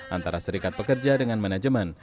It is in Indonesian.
antara serikat pekerja dengan manajemen